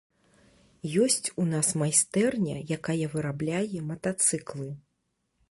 Ёсць у нас майстэрня, якая вырабляе матацыклы.